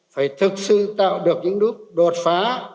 phải thực sự tạo được những đốt phá